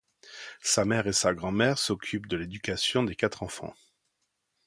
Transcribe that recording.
Sa mère et sa grand-mère s'occupent de l'éducation des quatre enfants.